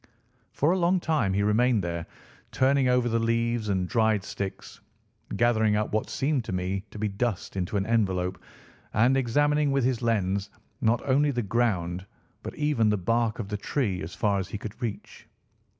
For a long time he remained there, turning over the leaves and dried sticks, gathering up what seemed to me to be dust into an envelope and examining with his lens not only the ground but even the bark of the tree as far as he could reach.